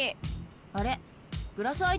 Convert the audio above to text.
あれ？